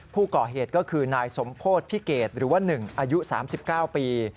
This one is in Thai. ผู้ก่อเหตุก็คือนายสมโพธิพิเกตหรือว่า๑อายุ๓๙ปี